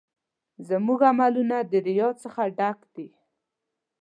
زموږ عملونه د ریا څخه ډک دي.